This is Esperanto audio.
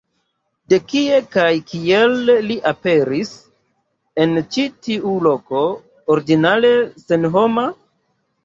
De kie kaj kiel li aperis en ĉi tiu loko, ordinare senhoma?